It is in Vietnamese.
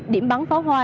ba điểm bắn pháo hoa